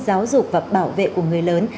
giáo dục và bảo vệ của người lớn